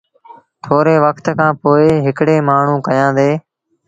ٿوري وکت کآݩ پو هڪڙي مآڻهوٚݩ ڪيآندي۔